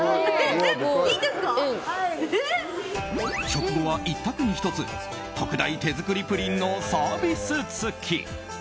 食後は１卓に１つ特大手作りプリンのサービス付き。